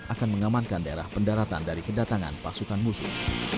akan mengamankan daerah pendaratan dari kedatangan pasukan musuh